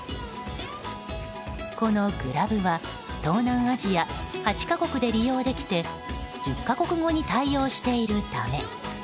このグラブは東南アジア８か国で利用できて１０か国語に対応しているため。